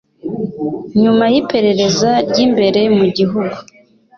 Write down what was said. Nyuma yiperereza ryimbere mu gihugu